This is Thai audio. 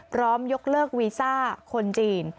พร้อมยกเลิกวีซ่าคนจีน